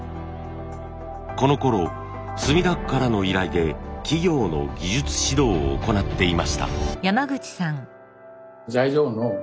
このころ墨田区からの依頼で企業の技術指導を行っていました。